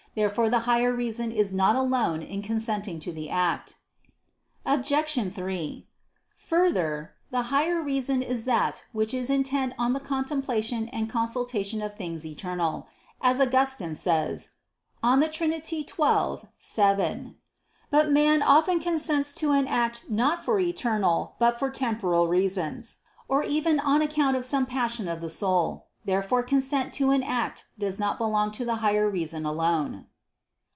Therefore the higher reason is not alone in consenting to the act. Obj. 3: Further, "the higher reason is that which is intent on the contemplation and consultation of things eternal," as Augustine says (De Trin. xii, 7). But man often consents to an act not for eternal, but for temporal reasons, or even on account of some passion of the soul. Therefore consent to an act does not belong to the higher reason alone.